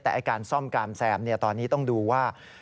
แต่การซ่อมกามแซมตอนนี้ต้องดูว่า